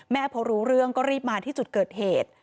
พอรู้เรื่องก็รีบมาที่จุดเกิดเหตุ